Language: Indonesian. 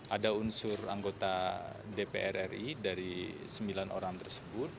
ada unsur anggota dpr ri dari sembilan orang tersebut